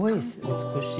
美しい。